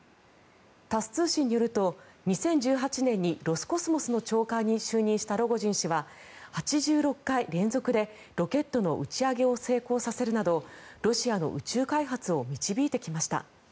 タス通信によると２０１８年にロスコスモスの長官に就任したロゴジン氏は８６回連続でロケットの打ち上げを成功させるなどロシアの宇宙開発を導いてきました。